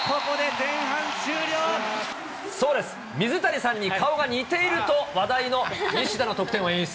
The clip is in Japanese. そうです、水谷さんに顔が似ていると話題の西田の得点を演出。